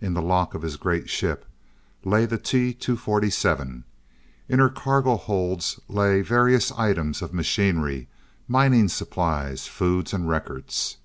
In the lock of his great ship, lay the T 247. In her cargo holds lay various items of machinery, mining supplies, foods, and records.